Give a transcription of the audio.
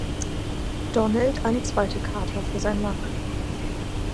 Donald eine zweite Charta für sein Land.